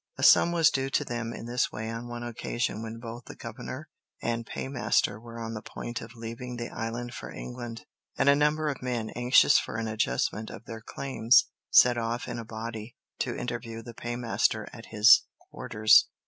A sum was due to them in this way on one occasion when both the governor and paymaster were on the point of leaving the island for England, and a number of men, anxious for an adjustment of their claims, set off in a body to interview the paymaster at his quarters.